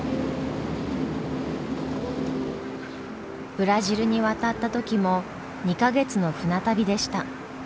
ブラジルに渡った時も２か月の船旅でした。